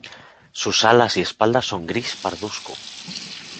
Sus alas y espalda son gris pardusco.